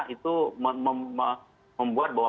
itu membuat bahwa